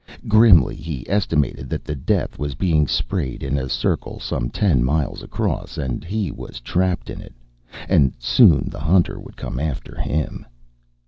Grimly, he estimated that the death was being sprayed in a circle some ten miles across. And he was trapped in it, and soon the hunter would come after him.